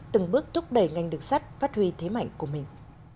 từng bước thúc đẩy ngành đường sắt phát huy thế mạnh của mình